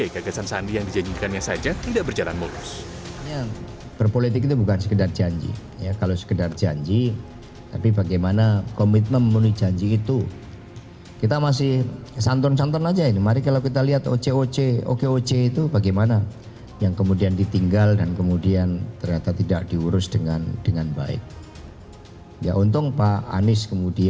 gagasan sandi yang dijanjikannya saja tidak berjalan mulus